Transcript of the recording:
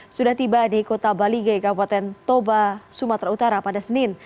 sudah tiba di kota balige kabupaten toba sumatera utara pada senin